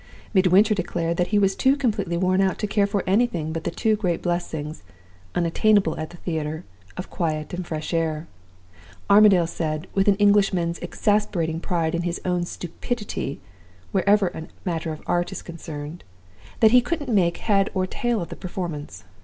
Midwinter declared that he was too completely worn out to care for anything but the two great blessings, unattainable at the theater, of quiet and fresh air. Armadale said with an Englishman's exasperating pride in his own stupidity wherever a matter of art is concerned that he couldn't make head or tail of the performance.